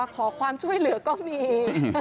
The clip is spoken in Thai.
ขอความช่วยเหลือก็มี